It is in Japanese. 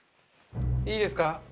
いいですか？